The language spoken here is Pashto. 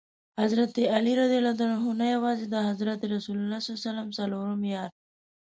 حضرت علي رض نه یوازي د حضرت رسول ص څلورم یار.